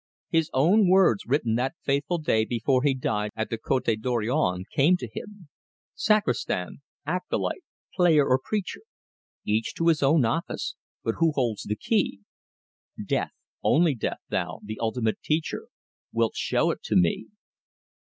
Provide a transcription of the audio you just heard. His own words written that fateful day before he died at the Cote Dorion came to him: "Sacristan, acolyte, player, or preacher, Each to his office, but who holds the key? Death, only Death, thou, the ultimate teacher, Wilt show it to me!"